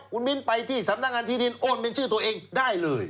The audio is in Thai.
คุณมิ้นไปที่สำนักงานที่ดินโอนเป็นชื่อตัวเองได้เลย